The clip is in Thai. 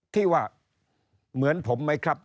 ที่ว่าเหมือนผมไหมครับ